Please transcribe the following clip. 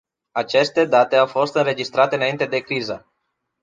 Aceste date au fost înregistrate înainte de criză.